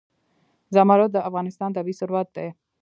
زمرد د افغانستان طبعي ثروت دی.